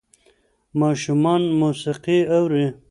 ماشومان موسیقي اوري.